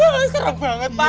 wah serem banget pak